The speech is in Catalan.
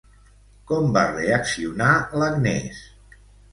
Com va reaccionar l'Agnès?